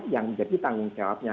yang jadi tanggung jawabnya